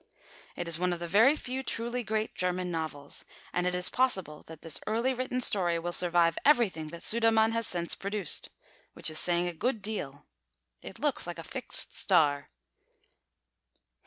It is one of the very few truly great German novels, and it is possible that this early written story will survive everything that Sudermann has since produced, which is saying a good deal. It looks like a fixed star.